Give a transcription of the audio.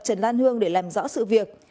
trần lan hương để làm rõ sự việc